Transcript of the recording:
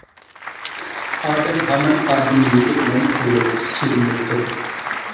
ئادەم ھامان ئادىمىيلىكى بىلەن ئۇلۇغ، سۆيۈملۈكتۇر.